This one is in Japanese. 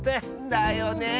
だよねえ。